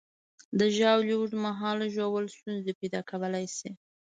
د ژاولې اوږد مهاله ژوول ستونزې پیدا کولی شي.